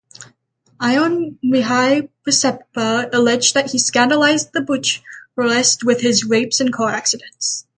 Ion Mihai Pacepa alleged that he scandalized Bucharest with his rapes and car accidents.